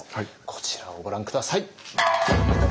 こちらをご覧下さい。